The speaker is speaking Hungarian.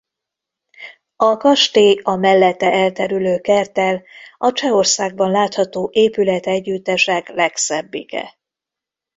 A kastély a mellette elterülő kerttel a Csehországban látható épületegyüttesek legszebbike.